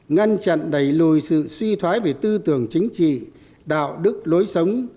ngăn chặn đẩy lùi sự suy thoái về tư tưởng chính trị đạo đức lối sống